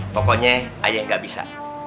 pokoknya ayah gak bisa